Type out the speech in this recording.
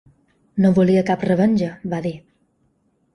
No volia cap revenja, va dir.